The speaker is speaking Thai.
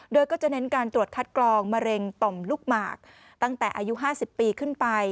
โดยก็จะเน้นการตรวจคัดกรองมะเร็งต่อมลูกหมากตั้งแต่อายุ๕๐ปีขึ้นไป